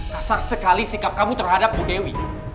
kasar sekali sikap kamu terhadap bu dewi